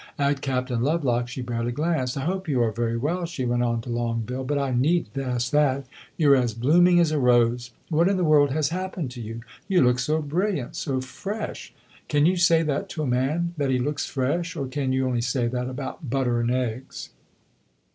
At Captain Lovelock she barely glanced. "I hope you are very well," she went on to Longueville; "but I need n't ask that. You 're as blooming as a rose. What in the world has happened to you? You look so brilliant so fresh. Can you say that to a man that he looks fresh? Or can you only say that about butter and eggs?"